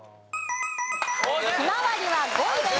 ひまわりは５位です。